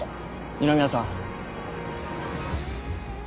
二宮さん。